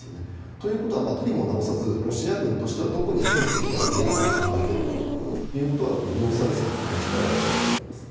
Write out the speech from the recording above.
ということはとりもなおさずロシア軍としてはどこに攻めてきたら嫌だと考えているかということが要塞線の配置からわかると思います。